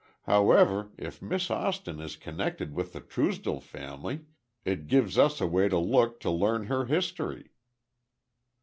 "However, if Miss Austin is connected with the Truesdell family it gives us a way to look to learn her history."